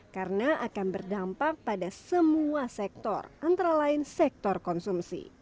karena akan berdampak pada semua sektor antara lain sektor konsumsi